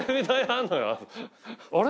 あれ？